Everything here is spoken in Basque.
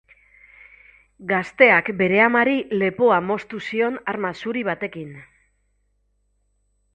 Gazteak bere amari lepoa moztu zion arma zuri batekin.